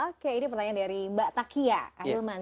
oke ini pertanyaan dari mbak takia ahilman